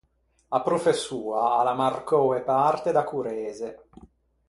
A professoa a l’à marcou e parte da correze.